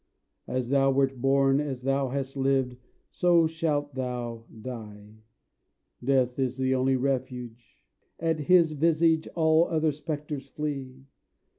As thou wert born As thou hast lived, so shalt thou die! Death is the only refuge: at his visage All other spectres flee.